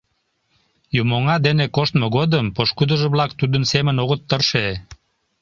Юмоҥа дене коштмо годым пошкудыжо-влак тудын семын огыт тырше.